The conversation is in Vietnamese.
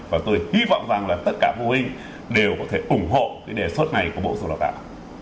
và tôi hy vọng rằng là tất cả vô hình đều có thể ủng hộ cái đề xuất này của bộ giáo dục đào tạo